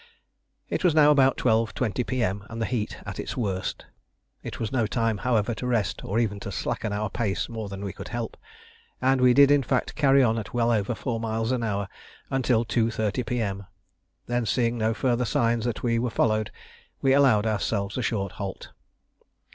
It was now about 12.20 P.M. and the heat at its worst. It was no time, however, to rest or even to slacken our pace more than we could help: and we did in fact carry on at well over four miles an hour until 2.30 P.M. Then seeing no further signs that we were followed we allowed ourselves a short halt.